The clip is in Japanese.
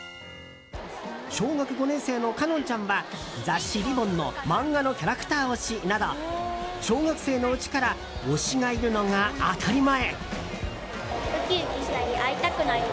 小学５年生の華音ちゃんは雑誌「りぼん」の漫画のキャラクター推しなど小学生のうちから推しがいるのが当たり前。